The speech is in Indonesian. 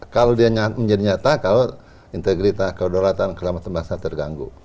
kalau dia menjadi nyata kalau integritas kedaulatan keselamatan bangsa terganggu